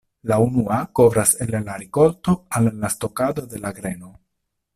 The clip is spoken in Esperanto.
La unua kovras el la rikolto al la stokado de la greno.